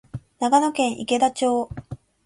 長野県池田町